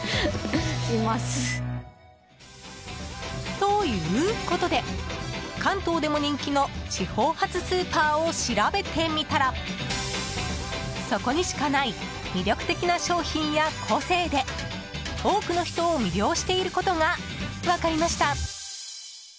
ということで関東でも人気の地方発スーパーを調べてみたらそこにしかない魅力的な商品や個性で多くの人を魅了していることが分かりました。